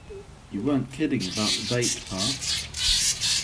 You weren't kidding about the bait part.